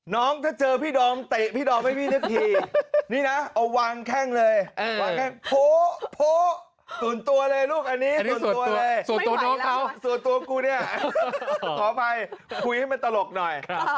น้องเจอพี่ผมเอาวางแข่งเลยโพตื่นตัวเลยลูกอันนี้ตัวเลยรอผมกูเนี่ยพ่อภัยคุยให้มันตลกหน่อย